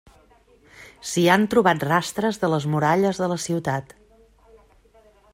S'hi han trobat rastres de les muralles de la ciutat.